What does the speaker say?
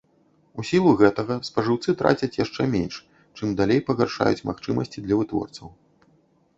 У сілу гэтага спажыўцы трацяць яшчэ менш, чым далей пагаршаюць магчымасці для вытворцаў.